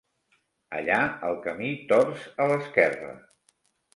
Allà el camí torç a l'esquerra.